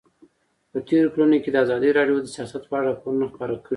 په تېرو کلونو کې ازادي راډیو د سیاست په اړه راپورونه خپاره کړي دي.